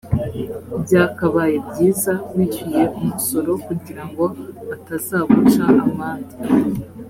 byakabaye byiza wishyuye umusoro kugirango batazaguca amande